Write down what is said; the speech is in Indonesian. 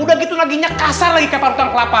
udah gitu lagi nyekasar lagi ke parutan kelapa